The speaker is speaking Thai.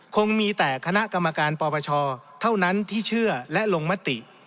คงมีแต่คณะกรรมการปปชเท่านั้นที่เชื่อและลงมติ